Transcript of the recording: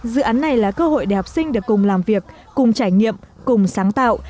dự án này là cơ hội để học sinh được cùng làm việc cùng trải nghiệm cùng sáng tạo